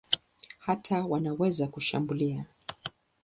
Hata wanaweza kushambulia.